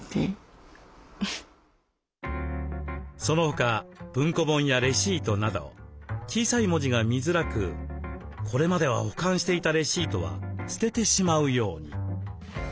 その他文庫本やレシートなど小さい文字が見づらくこれまでは保管していたレシートは捨ててしまうように。